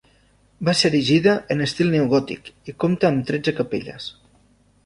Va ser erigida en estil neogòtic, i compta amb tretze capelles.